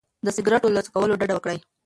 د سګرټو له څکولو ډډه وکړئ.